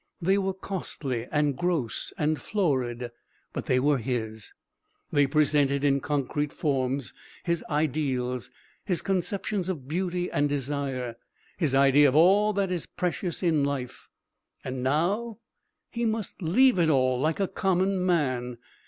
They were costly and gross and florid but they were his. They presented in concrete form his ideals, his conceptions of beauty and desire, his idea of all that is precious in life. And now he must leave it all like a common man.